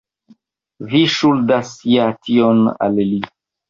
Vi ŝuldas ja tion al li.